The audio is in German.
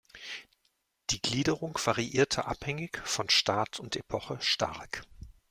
Die Gliederung variierte abhängig von Staat und Epoche stark.